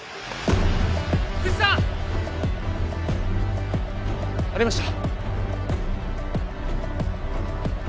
福知さん！ありました。